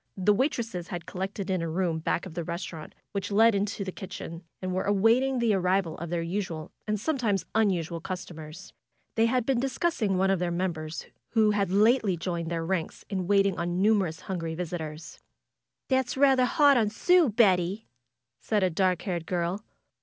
The waitresses had col lected in a room back of the restaurant, which led into 217 218 FAITH the kitchen, and were awaiting the arrival of their usual, and sometimes unusual, customers. They had been discussing one of their members, who had lately joined their ranks in waiting on the numerous hungry visitors. ^'That's rather hard on Sue, Betty said a dark haired girl.